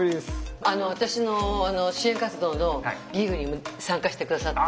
私の支援活動のギグに参加して下さって。